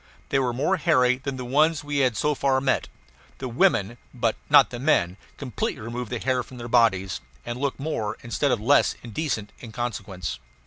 They were more hairy than the ones we had so far met. The women, but not the men, completely remove the hair from their bodies and look more, instead of less, indecent in consequence.